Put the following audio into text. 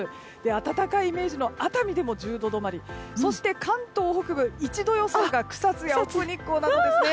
暖かいイメージの熱海でも１０度止まりで関東北部１度予想が草津や奥日光などですね。